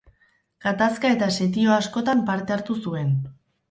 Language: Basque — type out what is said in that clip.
Gatazka eta setio askotan parte hartu zuen.